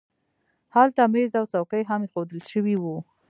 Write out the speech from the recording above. هلته مېز او څوکۍ هم اېښودل شوي وو